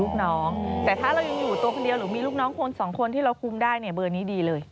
พอมีคนที่คุมได้เบอร์นี้ดีเลย